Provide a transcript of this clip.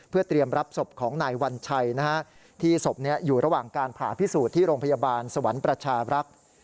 เพื่อเตรียมรับศพของนายวัญชัยที่ศพอยู่ระหว่างการผ่าพิสูจน์ที่โรงพยาบาลสวรรค์ประชาบรักษ์